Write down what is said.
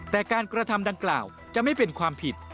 แต่การกระทำดังกล่าวจะไม่เป็นความผิด